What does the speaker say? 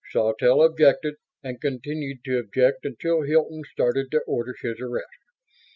Sawtelle objected; and continued to object until Hilton started to order his arrest.